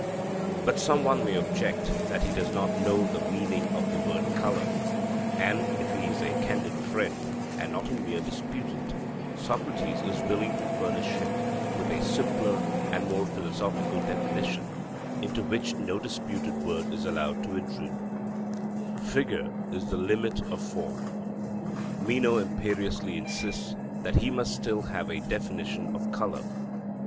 But some one may object that he does not know the meaning of the word 'colour;' and if he is a candid friend, and not a mere disputant, Socrates is willing to furnish him with a simpler and more philosophical definition, into which no disputed word is allowed to intrude: 'Figure is the limit of form.' Meno imperiously insists that he must still have a definition of colour.